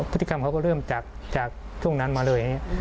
พฤติกรรมเขาก็เริ่มจากช่วงนั้นมาเลย